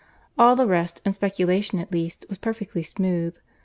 All the rest, in speculation at least, was perfectly smooth.